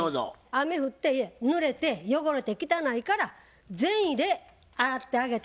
雨降ってぬれて汚れて汚いから善意で洗ってあげたんですよ。